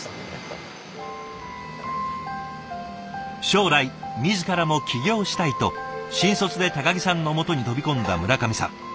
将来自らも起業したいと新卒で木さんのもとに飛び込んだ村上さん。